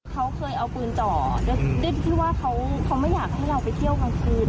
เขาเคยเอาปืนจ่อด้วยที่ว่าเขาไม่อยากให้เราไปเที่ยวกลางคืน